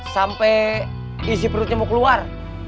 sampai isi perutnya mau keluar